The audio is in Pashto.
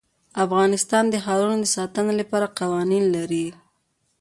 افغانستان د ښارونو د ساتنې لپاره قوانین لري.